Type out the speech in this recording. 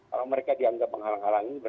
kalau mereka dianggap menghalang halangi